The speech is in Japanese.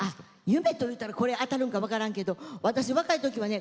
夢というたらこれあたるんか分からんけど私若い時はね